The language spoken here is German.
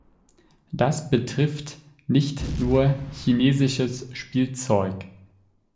Das betrifft nicht nur chinesisches Spielzeug.